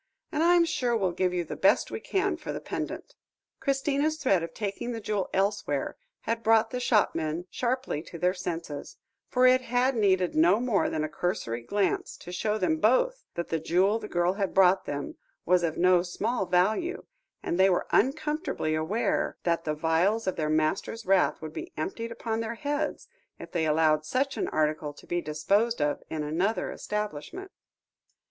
And I'm sure we'll give you the best we can for the pendant." Christina's threat of taking the jewel elsewhere, had brought the shopmen sharply to their senses, for it had needed no more than a cursory glance, to show them both that the jewel the girl had brought them was of no small value, and they were uncomfortably aware that the vials of their master's wrath would be emptied upon their heads, if they allowed such an article to be disposed of in another establishment.